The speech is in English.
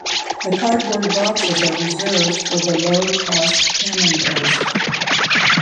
The cardboard boxes are reserved for the low-cost camemberts.